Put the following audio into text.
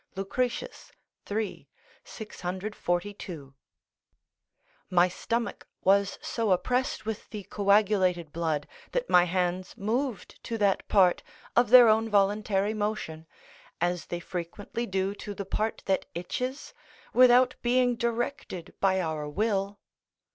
Lucretius, iii. 642.] My stomach was so oppressed with the coagulated blood, that my hands moved to that part, of their own voluntary motion, as they frequently do to the part that itches, without being directed by our will.